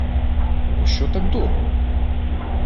— Пощо так дорого?